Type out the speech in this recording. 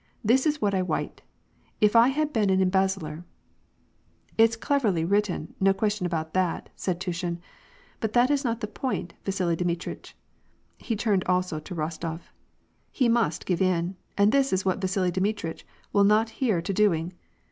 This is what I wite :* If I had been an embezzler '"— "It's cleverly written, no question about that," said To shin. "But that is not the point, Vasili Dmitritch." He turned also to Rostof :" He must give in, and this is what Vasili Dmitritch will not hear to doing.